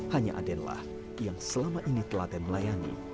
hanya adenlah yang selama ini telah dan melayani